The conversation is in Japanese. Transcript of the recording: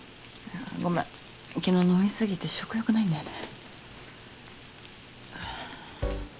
ごめん昨日飲み過ぎて食欲ないんだよね。